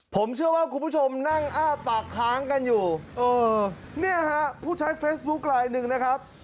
ผมเชื่อว่าคุณผู้ชมนั่งอ้าปากค้างกันอยู่เออเนี่ยฮะผู้ใช้เฟซบุ๊คไลน์หนึ่งนะครับ